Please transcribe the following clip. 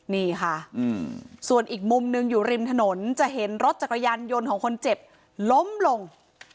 นี่ค่ะส่วนอีกมุมหนึ่งอยู่ริมถนนจะเห็นรถจักรยานยนต์ของคนเจ็บล้มลง